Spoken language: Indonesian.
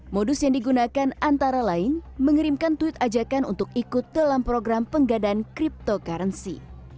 modus yang digunakan antara lain mengerimkan tweet ajakan untuk ikut dalam program penggadaan cryptocurrency